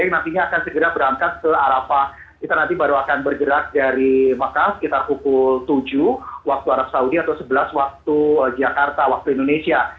yang nantinya akan segera berangkat ke arafah kita nanti baru akan bergerak dari mekah sekitar pukul tujuh waktu arab saudi atau sebelas waktu jakarta waktu indonesia